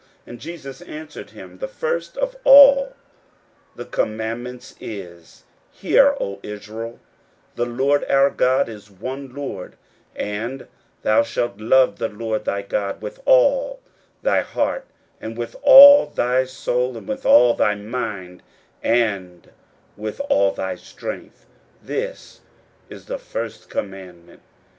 41:012:029 And Jesus answered him, The first of all the commandments is, Hear, O Israel; The Lord our God is one Lord: 41:012:030 And thou shalt love the Lord thy God with all thy heart, and with all thy soul, and with all thy mind, and with all thy strength: this is the first commandment.